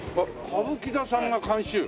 歌舞伎座さんが監修？